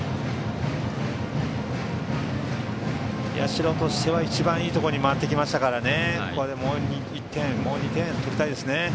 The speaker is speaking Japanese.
社としては一番いいところに回ってきましたからここでもう１点、もう２点取りたいですね。